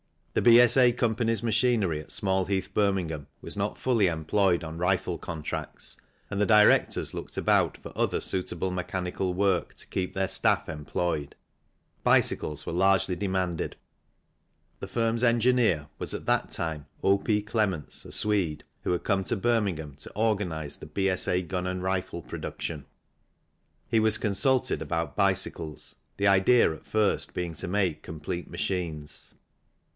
The B.S.A. Co.'s machinery at Small Heath, Birmingham, was not fully employed on rifle contracts, and the directors looked about for other suitable mechanical work to keep their staff employed. Bicycles were largely demanded. The firm's engineer 30 THE CYCLE INDUSTRY was at that time O. P. Clements, a Swede, who had come to Birmingham to organize the B.S.A. gun and rifle production. He was consulted about bicycles, the idea at first being to make complete machines.